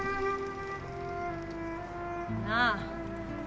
なあ。